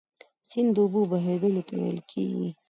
سیند د اوبو بهیدلو ته ویل کیږي.